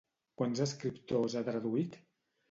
Quants escriptors ha traduït?